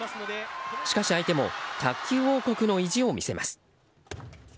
しかし相手も卓球王国の意地を見せます。